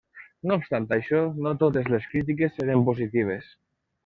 No obstant això, no totes les crítiques eren positives.